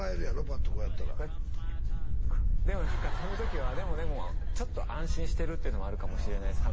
パッとこうやったらでも何かその時はでもでもちょっと安心してるっていうのもあるかもしれないです